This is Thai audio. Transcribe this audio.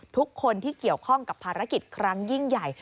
ทุกคนที่เกี่ยวข้องกับภารกิจครั้งยิ่งใหญ่